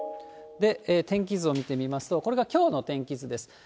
天気図を見てみますと、これがきょうの天気図です。